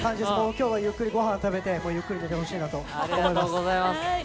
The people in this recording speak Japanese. きょうはゆっくりごはんを食べて、ゆっくり寝てほしいありがとうございます。